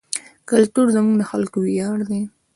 کلتور زموږ د خلکو ویاړ دی.